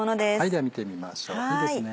では見てみましょういいですね。